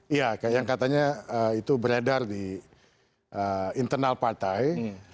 iya yang katanya itu beredar di internal partai